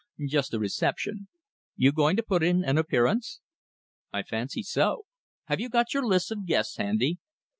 "Just a reception. You're going to put in an appearance?" "I fancy so. Have you got your list of guests handy?"